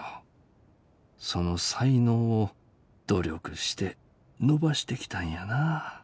その才能を努力して伸ばしてきたんやな。